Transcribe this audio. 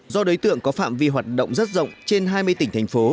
do đối tượng có phạm vi hoạt động rất rộng trên hai mươi tỉnh thành phố